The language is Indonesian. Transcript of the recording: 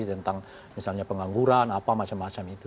tentang misalnya pengangguran apa macam macam itu